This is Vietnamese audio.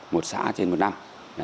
một xã trên một năm